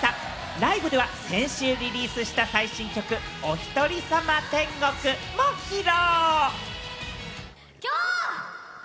ライブでは先週リリースした最新曲『おひとりさま天国』も披露。